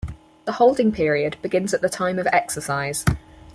The holding period begins at the time of exercise.